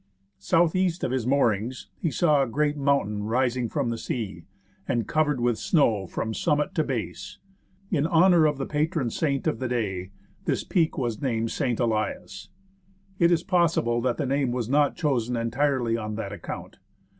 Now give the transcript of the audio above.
South east of his moorings, he saw a great mountain rising from the sea, and covered with snow from summit to base. In honour of the patron saint of the day, this peak was named St. Elias. It is possible that the name was not chosen entirely on that account.